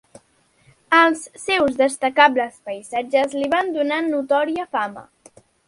Els seus destacables paisatges li van donar notòria fama.